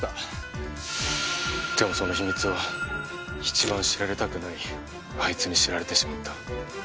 でもその秘密を一番知られたくないあいつに知られてしまった。